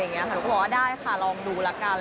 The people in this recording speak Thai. หนูก็บอกว่าได้ค่ะลองดูละกัน